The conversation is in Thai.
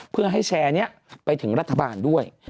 เพื่อให้แชร์นี้ไปถึงรัฐบาลด้วย